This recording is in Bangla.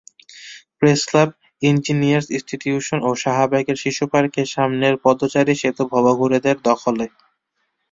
প্রেসক্লাব, ইঞ্জিনিয়ার্স ইনস্টিটিউশন ও শাহবাগের শিশুপার্কের সামনের পদচারী সেতু ভবঘুরেদের দখলে।